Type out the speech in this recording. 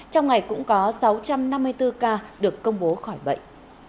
trong ngày cũng có sáu trăm năm mươi bốn ca được công bố khỏi bệnh